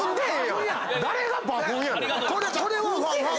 これは。